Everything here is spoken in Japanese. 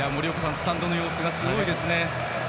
スタンドの様子がすごいですね。